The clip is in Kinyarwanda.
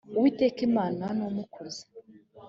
uwiteka imana ni umukuza .